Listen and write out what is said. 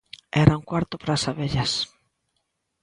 Era un cuarto para as abellas.